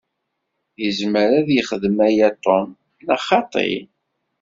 Izmer ad yexdem aya Tom, neɣ xaṭi?